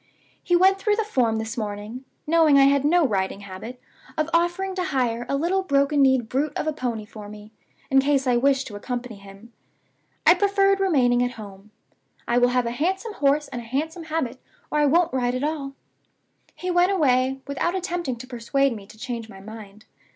He went through the form this morning (knowing I had no riding habit) of offering to hire a little broken kneed brute of a pony for me, in case I wished to accompany him! I preferred remaining at home. I will have a handsome horse and a handsome habit, or I won't ride at all. He went away, without attempting to persuade me to change my mind.